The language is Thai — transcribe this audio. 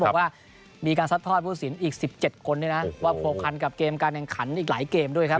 บอกว่ามีการซัดทอดผู้สินอีก๑๗คนนะว่าโผล่คันกับเกมกระแนนขันมาหลายเกมด้วยครับ